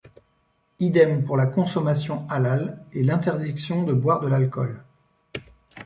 Idem pour la consommation halal et l’interdiction de boire de l’alcool.